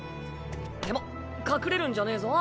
でも隠れるんじゃねぇぞ。